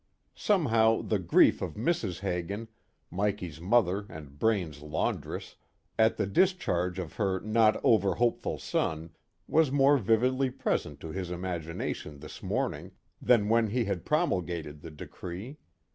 Somehow the grief of Mrs. Hagin, Mikey's mother and Braine's laundress, at the discharge of her not over hopeful son, was much more vividly present to his imagination this morning than when he had promulgated the decree.